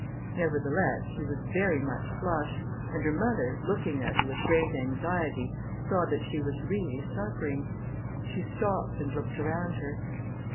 Nevertheless, she was very much flushed, and her mother, looking at her with great anxiety, saw that she was really suffering. She stopped, and looked around her.